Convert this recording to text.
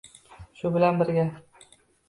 Shu bilan birga